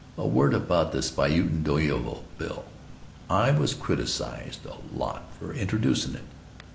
A word about that Spuyten Duyvil Bill I was criticized a lot for introducin' it.